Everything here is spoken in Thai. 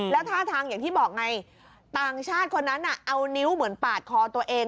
แล้วท่าทางอย่างที่บอกไงต่างชาติคนนั้นเอานิ้วเหมือนปาดคอตัวเอง